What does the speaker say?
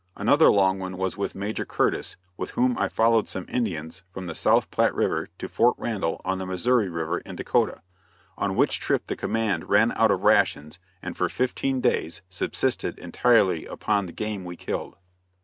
Another long one was with Major Curtis, with whom I followed some Indians from the South Platte river to Fort Randall on the Missouri river in Dakota, on which trip the command ran out of rations and for fifteen days subsisted entirely upon the game we killed.